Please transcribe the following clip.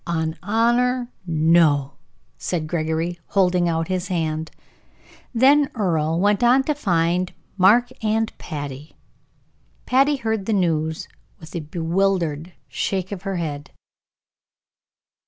"On honor, no," said Gregory, holding out his hand. Then Earle went on to find Mark and Patty. Patty heard the news with a bewildered shake of her head.